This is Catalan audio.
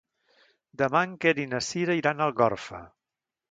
Demà en Quer i na Sira iran a Algorfa.